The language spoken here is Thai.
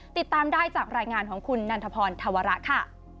ติดตามได้จากรายงานของคุณนันทพรธวระค่ะ